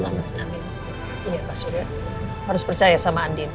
harus percaya sama andi